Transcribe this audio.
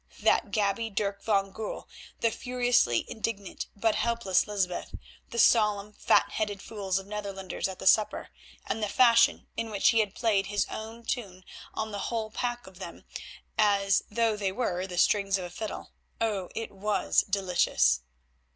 That gaby, Dirk van Goorl; the furiously indignant but helpless Lysbeth; the solemn, fat headed fools of Netherlanders at the supper, and the fashion in which he had played his own tune on the whole pack of them as though they were the strings of a fiddle—oh! it was delicious.